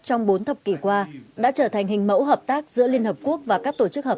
trong thế kỷ hai mươi một asean tham gia ngành